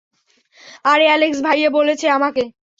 আরে, অ্যালেক্স ভাইয়া বলেছে আমাকে।